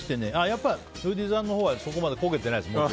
やっぱりフーディーさんのほうはそこまで焦げてないですね。